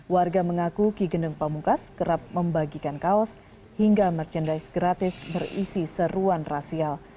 warga mengaku ki geneng pamungkas kerap membagikan kaos hingga merchandise gratis berisi seruan rasial